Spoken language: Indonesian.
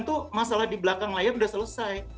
tuh masalah di belakang layar udah selesai